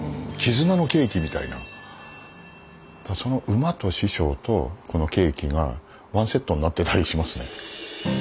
その馬と師匠とこのケーキがワンセットになってたりしますね。